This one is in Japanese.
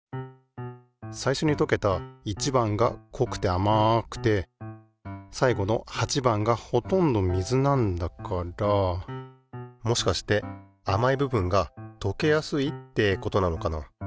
最初にとけた１番が濃くてあまくて最後の８番がほとんど水なんだからもしかしてあまい部分がとけやすいってことなのかな？